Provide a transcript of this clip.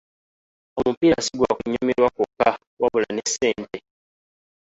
Omupiira si gwa kunyumirwa kwokka wabula ne ssente.